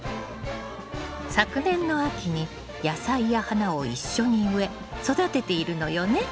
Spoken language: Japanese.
昨年の秋に野菜や花を一緒に植え育てているのよね。